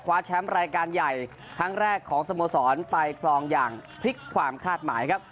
แชมป์รายการใหญ่ครั้งแรกของสโมสรไปครองอย่างพลิกความคาดหมายครับ